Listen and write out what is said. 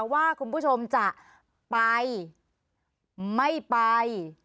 ว่าคุณผู้ชมจะไปไม่ไป